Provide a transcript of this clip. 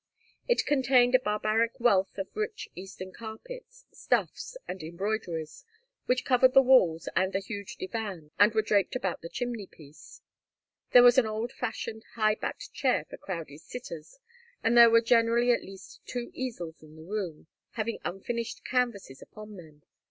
It contained a barbaric wealth of rich Eastern carpets, stuffs, and embroideries, which covered the walls and the huge divans, and were draped about the chimney piece. There was an old fashioned high backed chair for Crowdie's sitters, and there were generally at least two easels in the room, having unfinished canvases upon them.